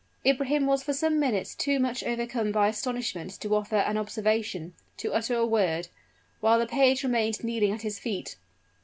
Ibrahim was for some minutes too much overcome by astonishment to offer an observation to utter a word; while the page remained kneeling at his feet.